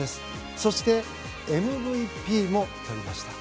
そして、ＭＶＰもとりました。